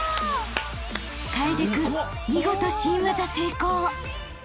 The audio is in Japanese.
［楓君見事新技成功！］